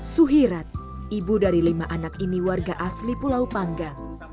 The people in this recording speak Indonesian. suhirat ibu dari lima anak ini warga asli pulau pangga